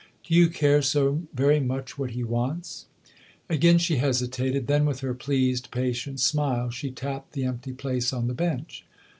" Do you care so very much what he wants ?" Again she hesitated; then, with her pleased, patient smile, she tapped the empty place on the bench.